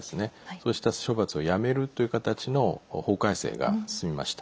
そうした処罰をやめるという形の法改正が進みました。